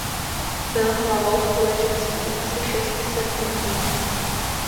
Byl hlavou společenství asi šesti set mnichů.